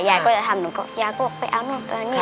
ยายก็จะทำหนูก็ยายก็บอกไปเอาหนูตรงนี้